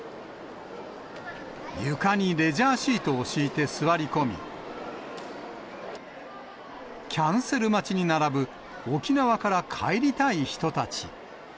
床にレジャーシートを敷いて座り込み、キャンセル待ちに並ぶ、沖縄から帰りたい人たち。